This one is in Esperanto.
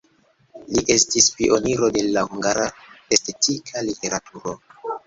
Li estis pioniro de la hungara estetika literaturo.